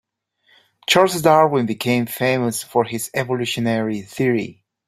Charles Darwin became famous for his evolutionary theory.